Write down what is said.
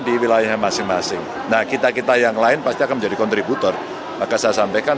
di wilayah masing masing nah kita kita yang lain pasti akan menjadi kontributor maka saya sampaikan